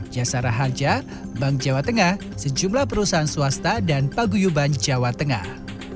jasara harja bank jawa tengah sejumlah perusahaan swasta dan paguyuban jawa tengah